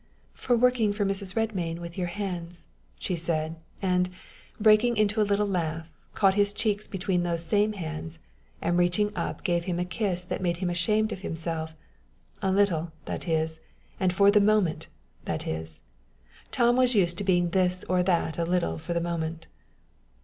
"For working for Mrs. Redmain with your hands," she said, and, breaking into a little laugh, caught his cheeks between those same hands, and reaching up gave him a kiss that made him ashamed of himself a little, that is, and for the moment, that is: Tom was used to being this or that a little for the moment.